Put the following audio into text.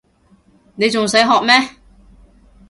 你仲使學咩